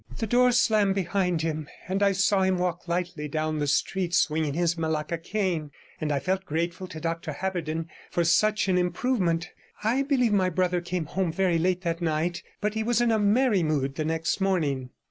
The door slammed behind him, and I saw him walk lightly down the street, swinging his malacca cane, and I felt grateful to Dr Haberden for such an improvement. I believe my brother came home very late that night, but he was in a merry mood the next morning.